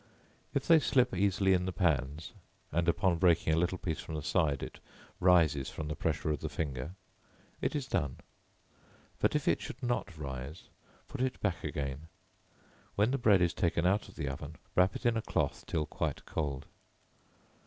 If they slip easily in the pans, and, upon breaking a little piece from the side, it rises from the pressure of the finger, it is done; but if it should not rise, put it back again; when the bread is taken out of the oven, wrap it in a cloth till quite cold.